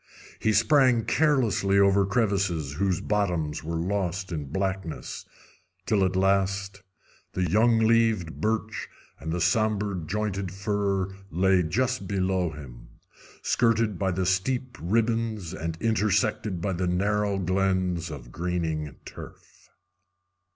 He sprang carelessly over crevices whose bottoms were lost in blackness, till at last the young leaved birch and the somber pointed fir lay just below him, skirted by the steep ribands and intersected by the narrow glens of greening turf.